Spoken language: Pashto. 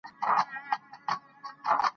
که سړى د ښځې غوندې په همدغسې اختناق کې پرېوځي